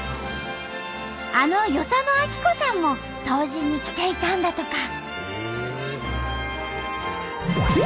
あの与謝野晶子さんも湯治に来ていたんだとか。